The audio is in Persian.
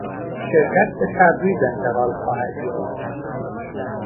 شرکت به تبریز انتقال خواهد یافت.